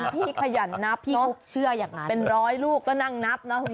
พี่ขยันนับเหรอเป็น๑๐๐ลูกก็นั่งนับนะคุณพี่